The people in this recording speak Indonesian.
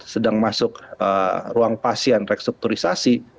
sedang masuk ruang pasien restrukturisasi